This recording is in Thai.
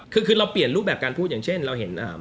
คือเราเปลี่ยนรูปแบบการพูดอย่างเช่น